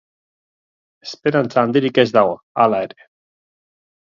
Esperantza handirik ez dago, hala ere.